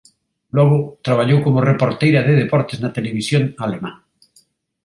Logo traballou como reporteira de deportes na televisión alemá.